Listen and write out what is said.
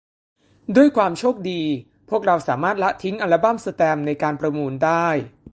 ด้วยความโชคดี พวกเราสามารถละทิ้งอัลบั้มแสตมป์ในการประมูลได้